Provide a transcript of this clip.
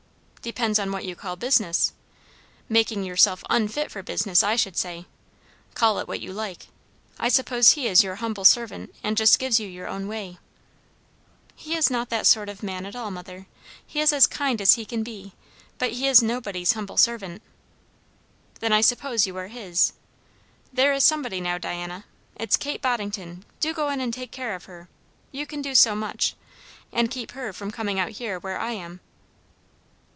"Depends on what you call business. Making yourself unfit for business, I should say. Call it what you like. I suppose he is your humble servant, and just gives you your own way." "He is not that sort of man at all, mother. He is as kind as he can be; but he is nobody's humble servant." "Then I suppose you are his. There is somebody now, Diana; it's Kate Boddington. Do go in and take care of her, you can do so much, and keep her from coming out here where I am."